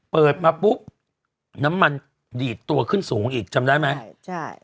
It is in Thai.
เปิดมาปุ๊บน้ำมันดีดตัวขึ้นสูงอีกจำได้ไหมใช่ใช่